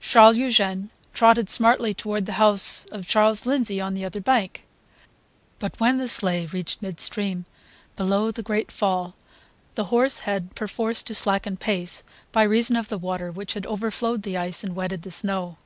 Charles Eugene trotted smartly toward the house of Charles Lindsay on the other bank. But when the sleigh reached midstream, below the great fall, the horse had perforce to slacken pace by reason of the water which had overflowed the ice and wetted the snow.